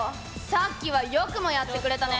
さっきはよくもやってくれたね。